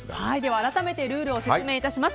改めてルールを説明いたします。